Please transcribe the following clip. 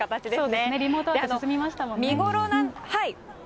そうですね、リモートワーク進みましたもんね。